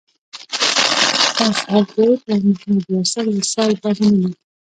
خوشحال طیب او محمد واصل وصال به منله.